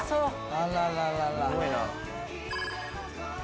あらららら！